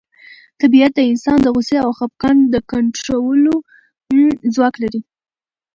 طبیعت د انسان د غوسې او خپګان د کنټرولولو ځواک لري.